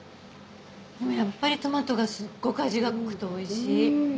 やっぱりトマトがすっごく味が濃くておいしい。